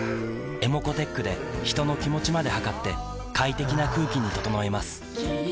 ｅｍｏｃｏーｔｅｃｈで人の気持ちまで測って快適な空気に整えます三菱電機